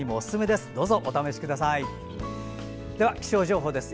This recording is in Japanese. では、気象情報です。